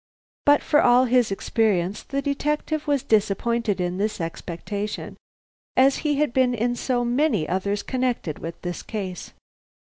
But for all his experience, the detective was disappointed in this expectation, as he had been in so many others connected with this case.